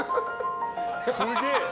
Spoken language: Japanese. すげえ。